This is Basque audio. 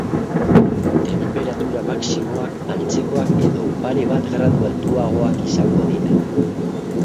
Tenperatura maximoak antzekoak edo pare bat gradu altuagoak izango dira.